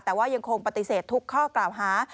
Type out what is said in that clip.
แต่ว่ายังคงปฏิเสธทุกข้อกล่าวหา